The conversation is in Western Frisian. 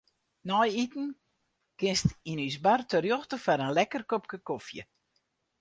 Nei iten kinst yn ús bar terjochte foar in lekker kopke kofje.